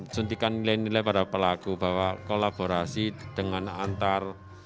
suntikan nilai nilai pada pelaku bahwa kolaborasi dengan antar